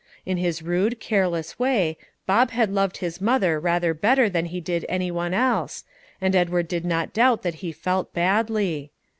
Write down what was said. In his rude, careless way, Bob had loved his mother rather better than he had any one else, and Edward did not doubt that he felt badly.